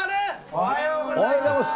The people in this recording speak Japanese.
おはようございます。